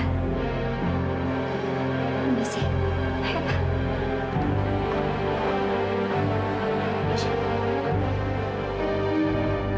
saya harus pergi mbak saya mau menengok camilla